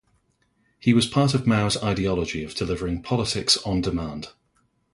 It was part of Mao's ideology of delivering "Politics on Demand".